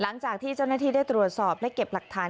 หลังจากที่เจ้าหน้าที่ได้ตรวจสอบและเก็บหลักฐาน